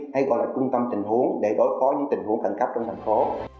hay gọi là trung tâm tình huống để đối phó những tình huống khẩn cấp trong thành phố